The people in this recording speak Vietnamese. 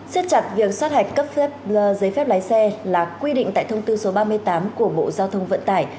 siết chặt việc sát hạch cấp giấy phép lái xe là quy định tại thông tư số ba mươi tám của bộ giao thông vận tải